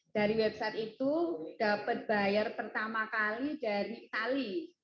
dari website itu dapat bayar pertama kali dari tali